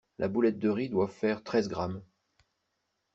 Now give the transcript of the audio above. La boulette de riz doit faire treize grammes.